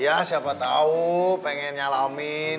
ya siapa tahu pengen nyalamin